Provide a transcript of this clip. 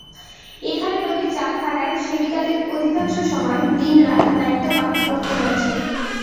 এখানে রোগীর চাপ থাকায় সেবিকাদের অধিকাংশ সময় দিন-রাত দায়িত্ব পালন করতে হচ্ছে।